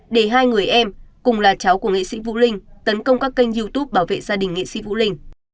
để hai người em cùng là cháu của nghệ sĩ vũ linh tấn công các kênh youtube bảo vệ gia đình nghệ sĩ vũ linh